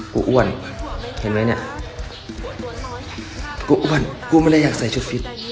อ้วนเห็นไหมเนี่ยกูอ้วนกูไม่ได้อยากใส่ชุดฟิต